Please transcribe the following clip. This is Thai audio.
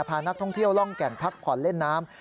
พานักท่องเที่ยวล่องแก่งพักผ่อนเล่นน้ำ